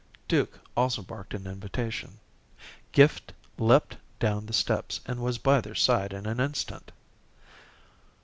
Duke also barked an invitation. Gift leaped down the steps and was by their side in an instant.